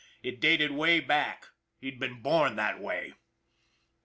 It dated way back he'd been born that way.